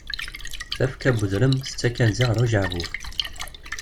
Tafekka n uzrem tettakk anzi ɣer ujeɛbub.